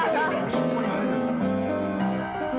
そこに入るんだ。